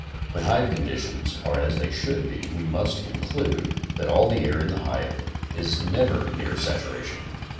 When hive conditions are as they should be we must con clude that all the air in the hive is never near saturation.